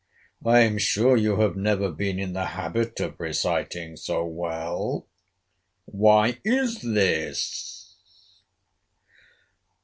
"I am sure you have never been in the habit of reciting so well. Why is this?"